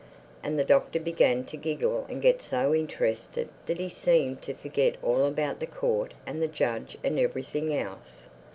And the Doctor began to giggle and get so interested that he seemed to forget all about the Court and the judge and everything else.